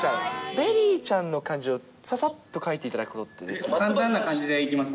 ベリーちゃんの感じを、ささっと描いていただくことってできます？